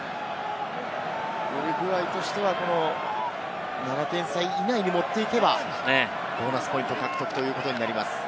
ウルグアイとしては７点差以内に持っていけばボーナスポイント獲得となります。